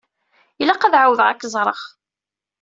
Ilaq ad ɛawdeɣ ad k-ẓreɣ.